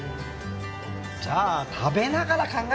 じゃあ食べながら考え